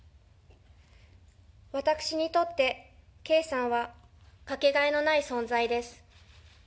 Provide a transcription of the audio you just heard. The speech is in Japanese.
私にとって圭さんはかけがえのない存在です。